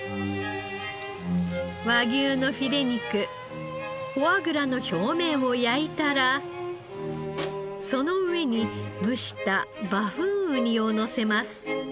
和牛のフィレ肉フォアグラの表面を焼いたらその上に蒸したバフンウニをのせます。